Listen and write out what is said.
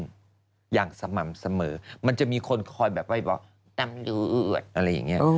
เกิดขึ้นอย่างสม่ำเสมอมันจะมีคนคอยแบบไว้บอกอะไรอย่างเงี้ย